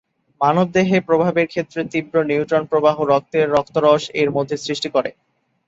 মানব দেহে প্রভাবের ক্ষেত্রে তীব্র নিউট্রন প্রবাহ রক্তের রক্তরস এর মধ্যে সৃষ্টি করে।